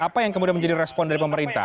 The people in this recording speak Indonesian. apa yang kemudian menjadi respon dari pemerintah